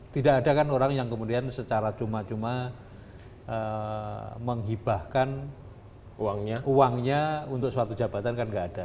tidak ada kan orang yang kemudian secara cuma cuma menghibahkan uangnya untuk suatu jabatan kan tidak ada